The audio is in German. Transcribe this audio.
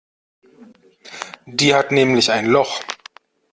Die hat nämlich ein Loch.